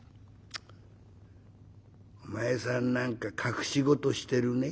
お前さん何か隠し事してるね。